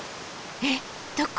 えっどこ？